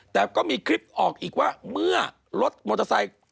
แต่ก็มีคลิปออกอีกว่าเมื่อรถมอเตอร์ไซค์